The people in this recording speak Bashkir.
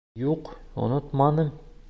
Юҡ, онотманым.